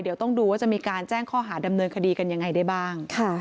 เดี๋ยวต้องดูว่าจะมีการแจ้งข้อหาดำเนินคดีกันยังไงได้บ้าง